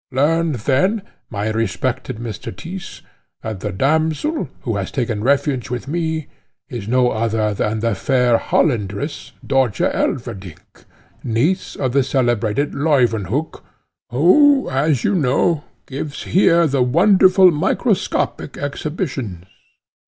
Learn then, my respected Mr. Tyss, that the damsel, who has taken refuge with me, is no other than the fair Hollandress, Dörtje Elverdink, niece of the celebrated Leuwenhock, who, as you know, gives here the wonderful microscopic exhibitions.